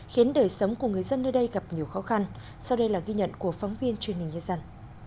khiến đời sống của người dân nơi đây gặp nhiều khó khăn sau đây là ghi nhận của phóng viên truyền hình nhân dân